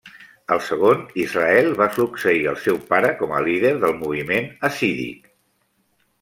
El segon, Israel, va succeir al seu pare com a líder del moviment hassídic.